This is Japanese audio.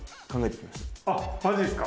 あっマジですか。